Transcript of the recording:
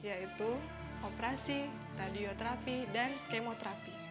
yaitu operasi radioterapi dan kemoterapi